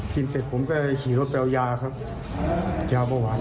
เสร็จผมก็เลยขี่รถไปเอายาครับยาเบาหวาน